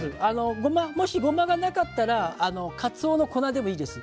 もし、ごまがなかったらかつおの粉でもいいです。